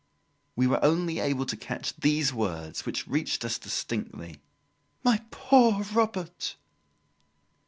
We were only able to catch these words, which reached us distinctly: "My poor Robert!"